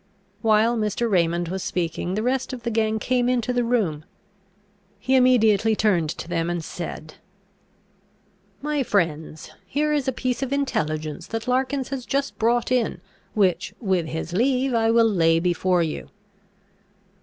While Mr. Raymond was speaking, the rest of the gang came into the room. He immediately turned to them, and said, "My friends, here is a piece of intelligence that Larkins has just brought in which, with his leave, I will lay before you."